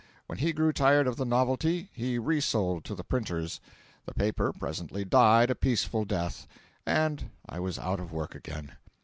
When he grew tired of the novelty, he re sold to the printers, the paper presently died a peaceful death, and I was out of work again.